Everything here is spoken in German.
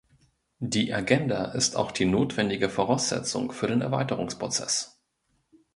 Die Agenda ist auch die notwendige Voraussetzung für den Erweiterungsprozess.